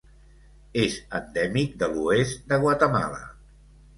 És endèmic de l'oest de Guatemala.